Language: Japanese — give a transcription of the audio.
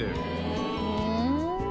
ふん！